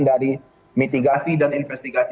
dari mitigasi dan investigasi